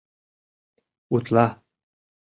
Утла.